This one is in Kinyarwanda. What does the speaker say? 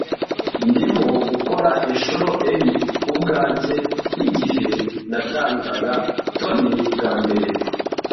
Ndimo gukora inshuro enye ubwanjye nkigihe natangaga Tony bwa mbere.